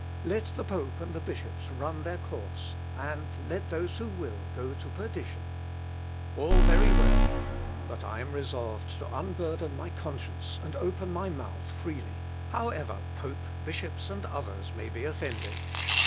Let the pope and the bishops run their course, and let those who will, go to perdition; all very well! but I am resolved to unburden my conscience and open my mouth freely, however pope, bishops, and others may be offended!...